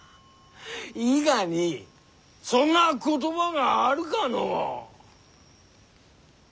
伊賀にそんな言葉があるかのう。